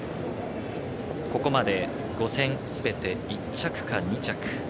ここまで５戦すべて１着か２着。